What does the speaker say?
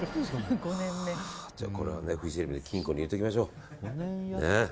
じゃあ、これはフジテレビの金庫に入れておきましょう。